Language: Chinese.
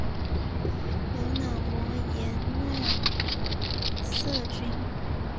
由脑膜炎奈瑟菌。